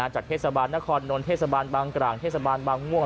จากเทศบาลนครนนท์เทศบาลบางกลางเทศบาลบางม่วง